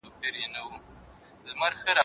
له شنو دښتونو به سندري د کیږدیو راځي